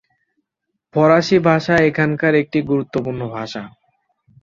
ফরাসি ভাষা এখানকার একটি গুরুত্বপূর্ণ ভাষা।